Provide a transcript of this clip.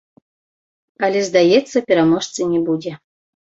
Але, здаецца, пераможцы не будзе.